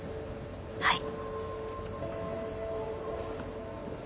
はい。